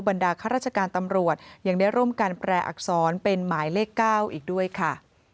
บรรดาข้าราชการตำรวจยังได้ร่วมกันแปรอักษรเป็นหมายเลข๙อีกด้วยค่ะ